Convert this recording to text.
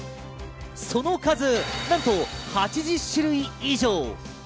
その数なんと８０種類以上。